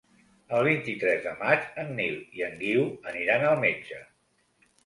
El vint-i-tres de maig en Nil i en Guiu aniran al metge.